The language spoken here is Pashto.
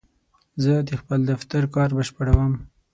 زه د خپل دفتر کار بشپړوم.